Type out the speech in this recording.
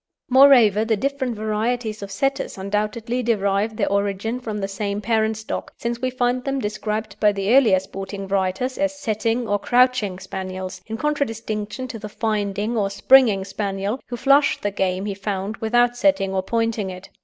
Moreover, the different varieties of Setters undoubtedly derive their origin from the same parent stock, since we find them described by the earlier sporting writers as "setting" or "crouching" Spaniels, in contradistinction to the "finding" or "springing" Spaniel, who flushed the game he found without setting or pointing it.